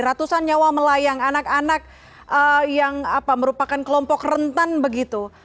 ratusan nyawa melayang anak anak yang merupakan kelompok rentan begitu